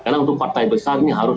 karena untuk partai besar ini harus